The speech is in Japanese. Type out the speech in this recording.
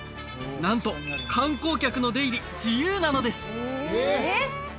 なんと観光客の出入り自由なのです